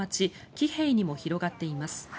キヘイにも広がっています。